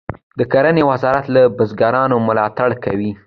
د کرنې وزارت له بزګرانو ملاتړ کوي.